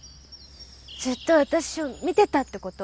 ずっとあたしを見てたってこと？